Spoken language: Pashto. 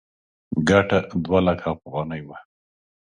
ګټه دوه لکه افغانۍ وه.